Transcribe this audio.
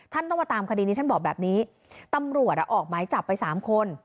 ท่านต้องมาตามคดีนี้ท่านบอกแบบนี้ตำรวจออกหมายจับไปสามคน